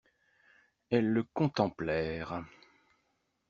Elles le contemplèrent.